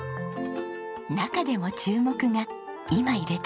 中でも注目が今入れたこれ。